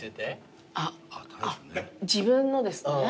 あ自分のですね？